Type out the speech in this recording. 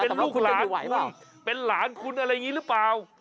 เป็นลูคหลานคุณเป็นหลานคุณอะไรแบบนี้หรือเปล่า